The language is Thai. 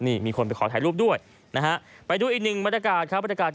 นี่มีคนไปขอถ่ายรูปด้วยนะฮะไปดูอีกหนึ่งบรรยากาศครับบรรยากาศ